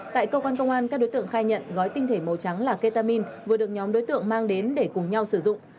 tại cơ quan công an các đối tượng khai nhận gói tinh thể màu trắng là ketamin vừa được nhóm đối tượng mang đến để cùng nhau sử dụng